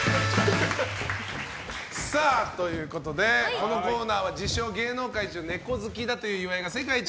このコーナーは自称芸能界イチのネコ好きだという岩井が世界一